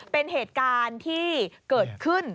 เป็นเหตุการณ์ที่เกิดขึ้น